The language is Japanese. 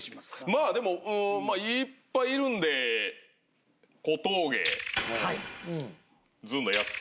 まあでもうーんいっぱいいるんで小峠ずんのやす。